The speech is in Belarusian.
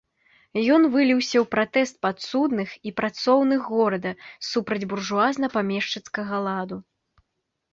Ён выліўся ў пратэст падсудных і працоўных горада супраць буржуазна-памешчыцкага ладу.